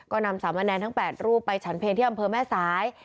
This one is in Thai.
ก็นำสามะแนนทั้ง๘รูปไปฉันเพลงที่อำเภอแม่สาย